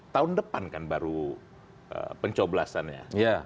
tahun depan kan baru pencoblasannya